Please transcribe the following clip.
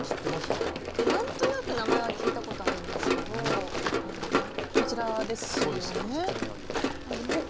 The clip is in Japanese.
何となく名前は聞いたことあるんですけどこちらですよね？